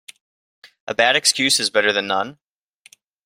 A bad excuse is better then none.